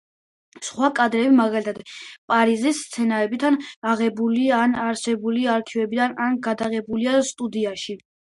სხვა კადრები, მაგალითად, პარიზის სცენებით, აღებულია ან არსებული არქივებიდან, ან გადაღებულია სტუდიაში.